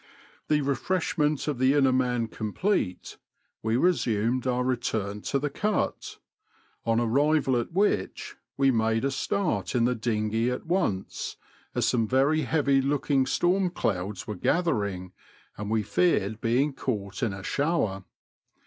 The refreshment of the inner man complete, we resumed our return to the Cut, on arrival at which we made a start in the dinghey at once, as some very heavy looking storm clouds were gathering, and we feared being caught in a shower.